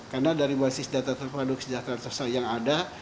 karena dari basis data terpadu kesejahteraan sosial yang ada